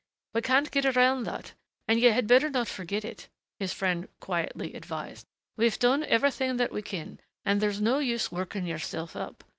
We can't get around that, and you had better not forget it," his friend quietly advised. "We've done everything that we can and there is no use working yourself up....